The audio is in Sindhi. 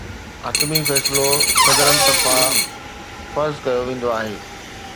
حتمي فيصلو صدرن طرفان فرض ڪيو ويندو آهي